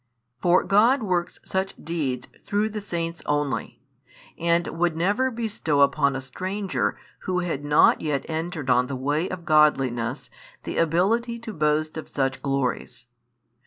For God works such deeds through the saints only, and would never bestow upon a stranger who had not yet entered on the way of godliness the ability to boast of such glories.